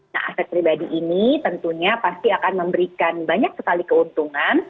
nah aset pribadi ini tentunya pasti akan memberikan banyak sekali keuntungan